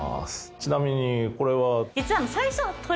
ちなみにこれは？